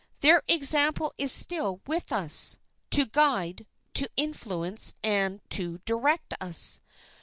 Their example is still with us, to guide, to influence, and to direct us.